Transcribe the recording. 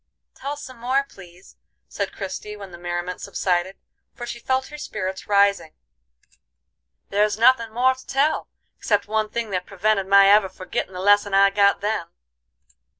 "Tell some more, please," said Christie, when the merriment subsided, for she felt her spirits rising. "There's nothin' more to tell, except one thing that prevented my ever forgittin' the lesson I got then.